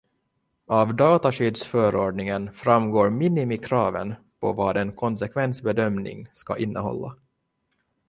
Av dataskyddsförordningen framgår minimikraven på vad en konsekvensbedömning ska innehålla.